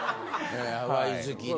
ハワイ好きね。